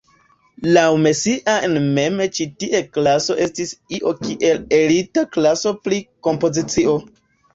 Laŭ Messiaen mem ĉi tiu klaso estis io kiel elita klaso pri kompozicio.